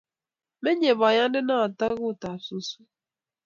menyei boyonde noto kootab suswek.